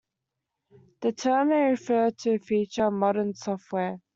The term may refer to a feature of modern software.